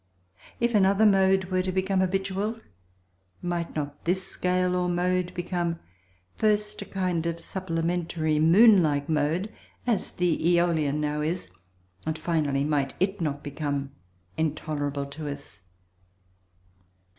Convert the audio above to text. If another mode were to become habitual, might not this scale or mode become first a kind of supplementary moon like mode (as the Æolian now is) and finally might it not become intolerable to us?